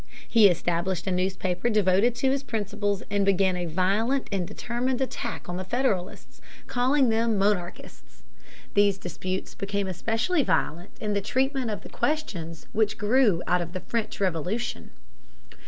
He established a newspaper devoted to his principles and began a violent and determined attack on the Federalists, calling them monarchists. These disputes became especially violent in the treatment of the questions which grew out of the French Revolution.